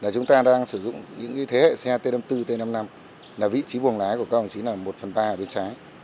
chúng ta đang sử dụng những thế hệ xe t năm mươi bốn t năm mươi năm vị trí buồng lái của công chính là một phần ba ở bên trái